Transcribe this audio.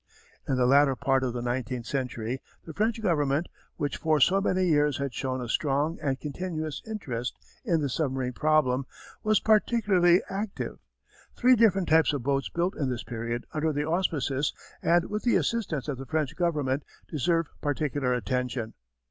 _] In the latter part of the nineteenth century the French Government, which for so many years had shown a strong and continuous interest in the submarine problem, was particularly active. Three different types of boats built in this period under the auspices and with the assistance of the French Government deserve particular attention.